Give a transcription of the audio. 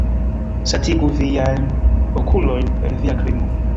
Satigu viajn okulojn per via krimo.